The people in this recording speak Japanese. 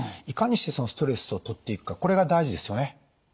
いかにしてストレスを取っていくかこれが大事ですよね。